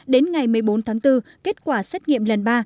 đến ngày một mươi bốn tháng bốn kết quả xét nghiệm lần ba